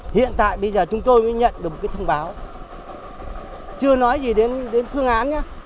hiện tại bây giờ chúng tôi mới nhận được thông báo chưa nói gì đến phương án nhé